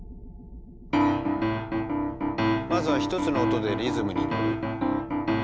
まずは１つの音でリズムに乗る。